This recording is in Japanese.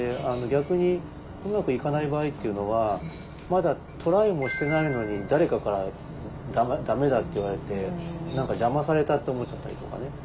逆にうまくいかない場合っていうのはまだトライもしてないのに誰かから駄目だって言われて何か邪魔されたと思っちゃったりとかね。